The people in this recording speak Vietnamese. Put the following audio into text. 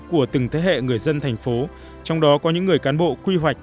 của từng thế hệ người dân thành phố trong đó có những người cán bộ quy hoạch